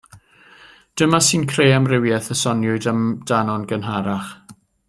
Dyma sy'n creu'r amrywiaeth y soniwyd amdano'n gynharach.